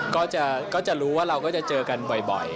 ก็จะรู้ว่าเราก็จะเจอกันบ่อย